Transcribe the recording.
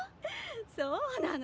そうなの！